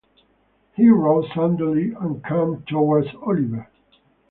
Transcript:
He rose suddenly and came towards Oliver.